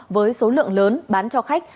với số lượng lớn bán cho khách